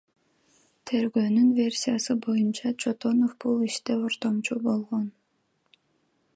Тергөөнүн версиясы боюнча, Чотонов бул иште ортомчу болгон.